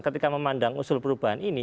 ketika memandang usul perubahan ini